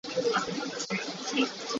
Cehrep in puanthan a riammi khi a u a si.